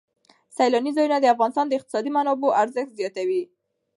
سیلانی ځایونه د افغانستان د اقتصادي منابعو ارزښت زیاتوي.